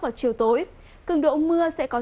vào chiều tối cường độ mưa sẽ có